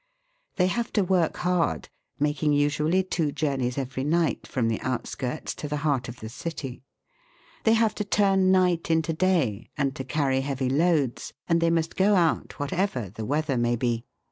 They have to work hard, making usually two journeys every night from the outskirts to the heart of the city. They have to turn night into day, and to carry heavy loads, and they must go out whatever the weather may be.